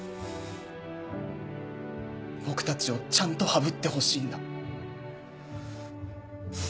僕たちをちゃんとハブってほしいんだ。